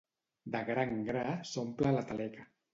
De gra en gra s'omple la taleca.